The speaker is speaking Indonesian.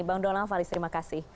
bang donald faris terima kasih